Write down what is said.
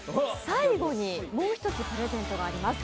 最後にもう一つ、プレゼントがあります。